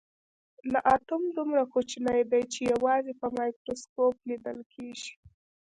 نه اتوم دومره کوچنی دی چې یوازې په مایکروسکوپ لیدل کیږي